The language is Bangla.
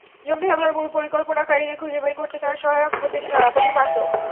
জঙ্গি হামলার মূল পরিকল্পনাকারীদের খুঁজে বের করতে তারা সহায়ক হতে পারত।